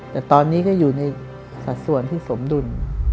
แต่ตอนนี้ก็อยู่ในสัดส่วนที่สมดุล